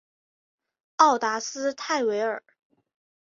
奥达斯泰韦尔。